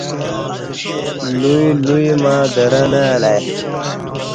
لوی لوی مع درں نہ الہ ای